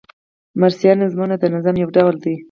مرثیه نظمونه د نظم یو ډول دﺉ.